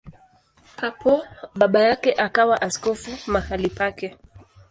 Hapo baba yake akawa askofu mahali pake.